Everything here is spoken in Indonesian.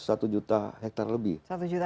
satu juta hektar lebih